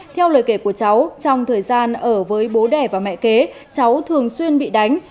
theo lời kể của cháu trong thời gian ở với bố đẻ và mẹ kế cháu thường xuyên bị đánh